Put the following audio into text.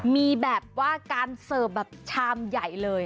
มีแบบว่าการเสิร์ฟแบบชามใหญ่เลย